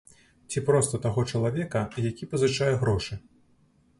Ці проста таго чалавека, які пазычае грошы.